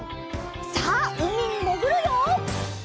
さあうみにもぐるよ！